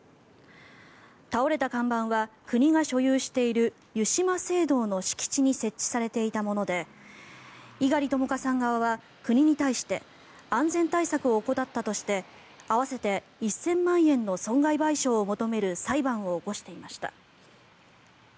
倒れた看板は、国が所有している湯島聖堂の敷地に設置されていたもので猪狩ともかさん側は国に対して安全対策を怠ったとして合わせて１０００万円の損害賠償を求める裁判を起こしていました。